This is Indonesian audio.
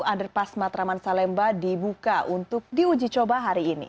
underpass matraman salemba dibuka untuk diuji coba hari ini